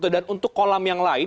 dan untuk kolam yang lain